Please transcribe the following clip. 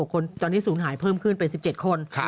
คนตอนนี้ศูนย์หายเพิ่มขึ้นเป็น๑๗คน